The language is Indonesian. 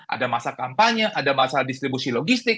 ada masa kampanye ada masalah distribusi logistik